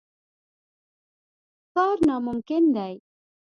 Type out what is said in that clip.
کار ناممکن دی.